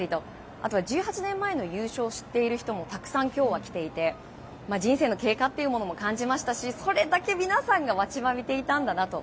あとは１８年前の優勝を知っている人もたくさん今日は来ていて人生の経過というものも感じましたしそれだけ皆さんが待ちわびていたんだなと。